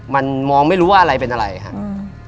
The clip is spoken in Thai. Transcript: มันมองไม่รู้ว่าอะไรเป็นอะไรครับ